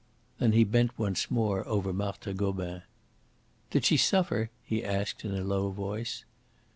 Then he bent once more over Marthe Gobin. "Did she suffer?" he asked in a low voice.